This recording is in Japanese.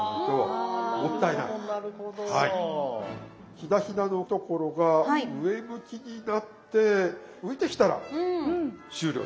ひだひだのところが上向きになって浮いてきたら終了です。